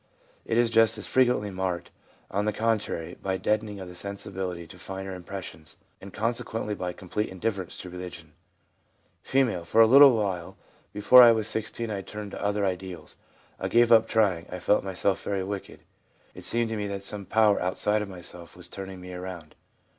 It is just as frequently marked, on the contrary, by deadening of the sensibility to finer im pressions, and consequently by complete indifference to religion. F. 'For a little while before I was 16 I turned to other ideals; I gave up trying. I felt myself very wicked. It seemed to me that some power outside of myself was turning me around.